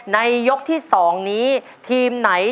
ในยกที่๒นี้ทีมไหน